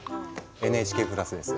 ＮＨＫプラスです。